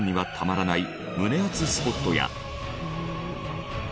胸熱スポットや。